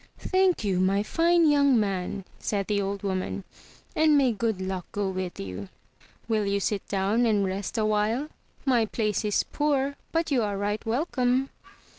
"Thank you, my fine young man," said the old woman, "and may good luck go with you! Will you sit down and rest a while? My place is poor, but you are right welcome."